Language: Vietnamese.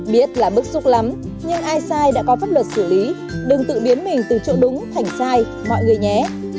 biết là bức xúc lắm nhưng ai sai đã có pháp luật xử lý đừng tự biến mình từ chỗ đúng thành sai mọi người nhé